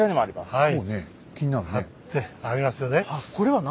はい。